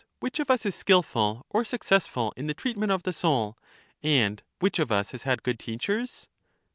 Which of us is skilful or suc cessful in the treatment of the soul, and which of us has had good teachers?